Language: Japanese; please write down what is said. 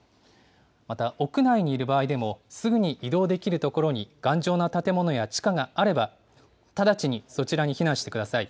また屋内にいる場合でも、すぐに移動できる所に頑丈な建物や地下があれば、直ちにそちらに避難してください。